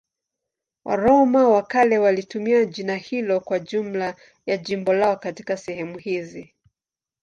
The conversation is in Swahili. Waroma wa kale walitumia jina hilo kwa jumla ya jimbo lao katika sehemu hizi.